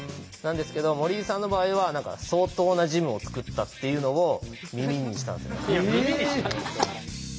なんですけど森井さんの場合は何か相当なジムを作ったっていうのを耳にしたんですよ。